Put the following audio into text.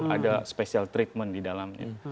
ada special treatment di dalamnya